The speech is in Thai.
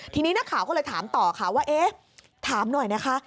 ทีนี้นักข่าวก็เลยถามต่อค่ะว่าเอ๊ะถามหน่อยนะคะ